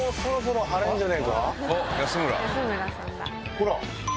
ほら！